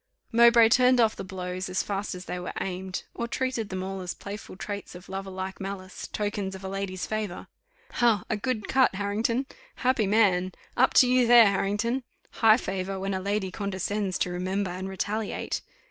Mowbray turned off the blows as fast as they were aimed, or treated them all as playful traits of lover like malice, tokens of a lady's favour. "Ha! a good cut, Harrington! Happy man! Up to you there, Harrington! High favour, when a lady condescends to remember and retaliate.